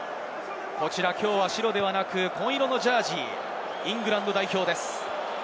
白ではなく紺色のジャージー、イングランド代表です。